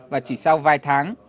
và chỉ sau vài tháng